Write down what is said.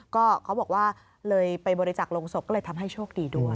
ก็เขาบอกว่าเลยไปบริจักษ์ลงศพก็เลยทำให้โชคดีด้วย